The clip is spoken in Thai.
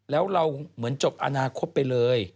แล้วเราเหมือนจบอนาคตไปเลย